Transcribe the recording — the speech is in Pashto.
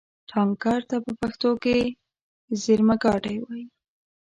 ټانکر ته په پښتو کې زېرمهګاډی وایي.